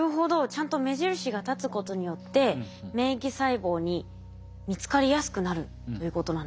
ちゃんと目印が立つことによって免疫細胞に見つかりやすくなるということなんですね。